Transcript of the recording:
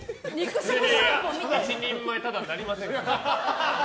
１人前、タダになりませんから。